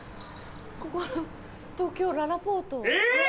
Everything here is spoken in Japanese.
ここ東京ららぽーと。